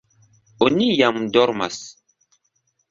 Oni jam dormas.